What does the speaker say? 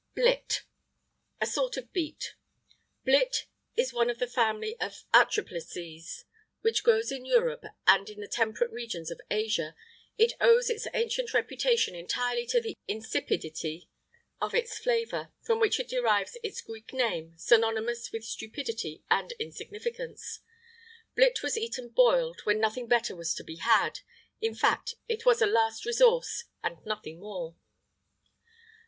[IX 79] BLIT (A SORT OF BEET). Blit is one of the family of atriplices, which grows in Europe, and in the temperate regions of Asia; it owes its ancient reputation entirely to the insipidity of its flavour, from which it derives its Greek name, synonymous with stupidity and insignificance.[IX 80] Blit was eaten boiled, when nothing better was to be had. In fact, it was a last resource and nothing more.